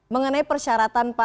mengenai persyaratan pak